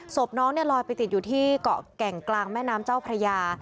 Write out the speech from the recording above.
ศพน้องเนี่ยลอยไปติดอยู่ที่เกาะแก่งกลางแม่น้ำเจ้าพระยา